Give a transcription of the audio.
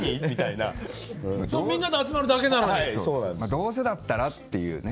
どうせだったらっていうね。